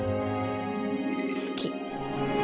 好き。